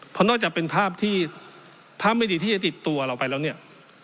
เพราะนอกจากเป็นภาพที่ภาพไม่ดีที่จะติดตัวเราไปแล้วเนี่ย